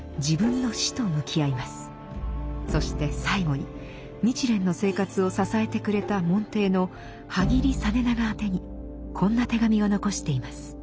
そして最後に日蓮の生活を支えてくれた門弟の波木井実長宛てにこんな手紙を残しています。